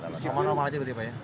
meskipun normal lagi pak ya